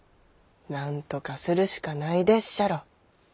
なんとかするしかないでっしゃろ。